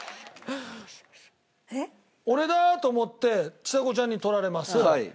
俺だと思ってちさ子ちゃんに取られます。